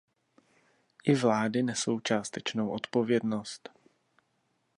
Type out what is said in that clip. I vlády nesou částečnou odpovědnost.